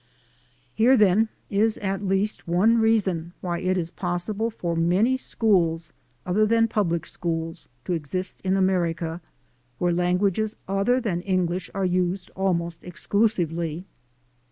Here, then, is at least one reason why it is possible for many schools, other than public schools, to exist in America, where languages other than English are used almost ex clusively.